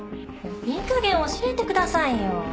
いい加減教えてくださいよ。